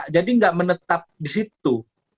jadi nggak menetap di situ